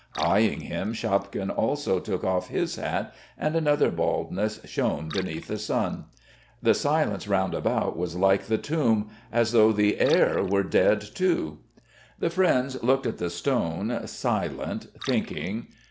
Eying him, Shapkin also took off his hat, and another baldness shone beneath the sun. The silence round about was like the tomb, as though the air were dead, too. The friends looked at the stone, silent, thinking.